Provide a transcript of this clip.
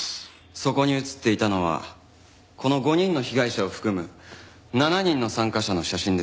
そこに映っていたのはこの５人の被害者を含む７人の参加者の写真です。